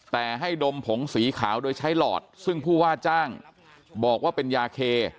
แต่ให้ดมผงสีขาวโดยใช้หลอดซึ่งผู้ว่าจ้างบอกว่าเป็นยาเค